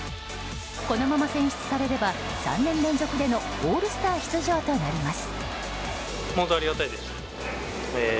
このまま選出されれば３年連続でのオールスター出場となります。